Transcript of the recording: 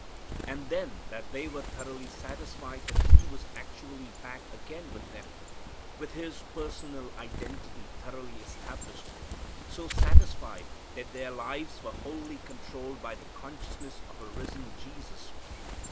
And then that they were thoroughly satisfied that He was actually back again with them, with His personal identity thoroughly established; so satisfied that their lives were wholly controlled by the consciousness of a risen Jesus.